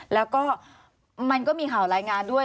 แล้วก็มันก็มีข่าวรายงานด้วย